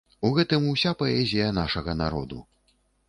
У гэтым уся паэзія нашага народу.